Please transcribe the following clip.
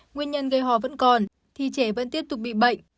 nguyên nhân gây hò vẫn còn thì trẻ vẫn tiếp tục bị bệnh